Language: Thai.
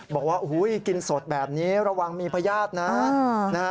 บอกว่ากินสดแบบนี้ระวังมีพญาตินะ